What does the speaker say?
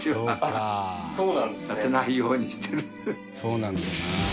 そうなんだよな。